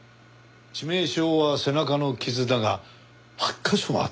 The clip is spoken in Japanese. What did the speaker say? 致命傷は背中の傷だが８カ所もあった。